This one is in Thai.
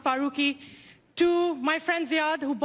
ประชาชนับมีรเลยนะครับ